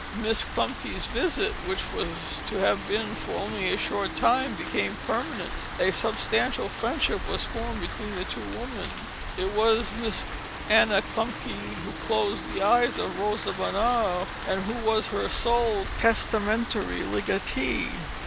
Miss Klumpke's visit, which was to have been for only a short time, became permanent; a substantial friendship was formed between the two women; it was Miss Anna Klumpke who closed the eyes of Rosa Bonheur and who was her sole testamentary legatee.